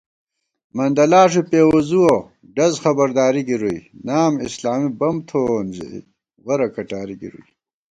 مندَہ لاݭ بی پېوُزُوَہ ڈز خبرداری گِرُوئی * نام اسلامی بم تھووون ژَئی ورہ کٹاری گِروئی